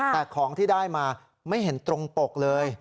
แต่ของที่ได้มาไม่เห็นตรงปกเลย